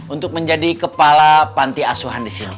untuk menjadi kepala panti asuhan disini